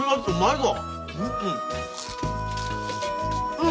うん！